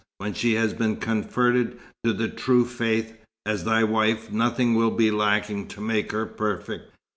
When she has been converted to the True Faith, as thy wife, nothing will be lacking to make her perfect."